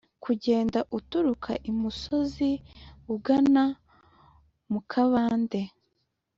kugenda uturuka imusozi ugana mu kabande.